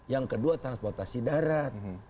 yang kedua transportasi darat